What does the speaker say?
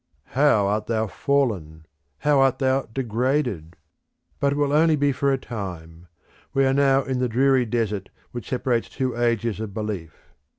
How art thou fallen! How art thou degraded! But it will be only for a time. We are now in the dreary desert which separates two ages of Belief.